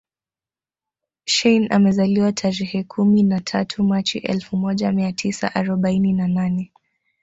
Shein amezaliwa tarehe kumi na tatu machi elfu moja mia tisa arobaini na nane